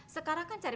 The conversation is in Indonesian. sekarang kan cari cari